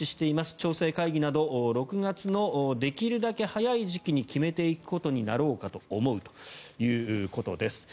調整会議など６月のできるだけ早い時期に決めていくことになろうかと思うということです。